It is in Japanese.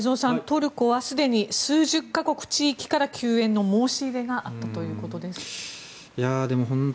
トルコはすでに数十か国の地域から救援の申し出があったということです。